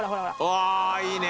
ああいいね！